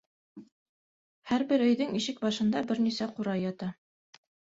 Һәр бер өйҙөң ишек башында бер нисә ҡурай ята.